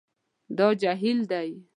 دا جهیل دی